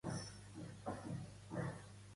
Les tallem en làmines fines, a galls.